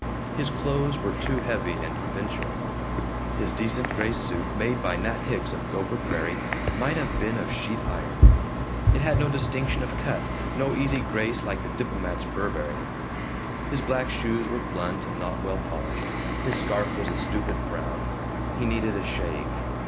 His clothes were too heavy and provincial. His decent gray suit, made by Nat Hicks of Gopher Prairie, might have been of sheet iron; it had no distinction of cut, no easy grace like the diplomat's Burberry. His black shoes were blunt and not well polished. His scarf was a stupid brown. He needed a shave.